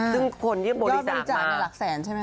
ซึ่งคนที่บริษัทมายอดบริจาคในหลักแสนใช่ไหม